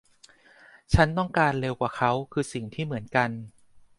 ฉันต้องการเร็วกว่าเค้าคือสิ่งที่เหมือนกัน